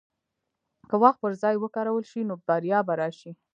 که وخت پر ځای وکارول شي، نو بریا به راشي.